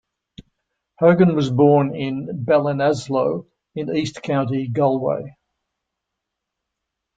Hogan was born in Ballinasloe in east County Galway.